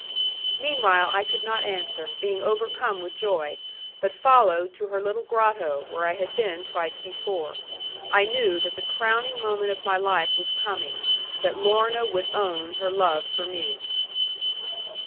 Meanwhile I could not answer, being overcome with joy, but followed to her little grotto, where I had been twice before. I knew that the crowning moment of my life was coming that Lorna would own her love for me.